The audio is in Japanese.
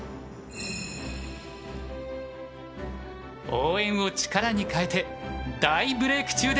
応援を力にかえて大ブレーク中です。